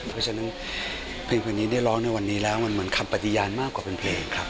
เพราะฉะนั้นเพลงคนนี้ได้ร้องในวันนี้แล้วมันเหมือนคำปฏิญาณมากกว่าเป็นเพลงครับ